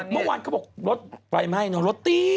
เมื่อวานเขาบอกรถไฟไหม้รถติ๊ด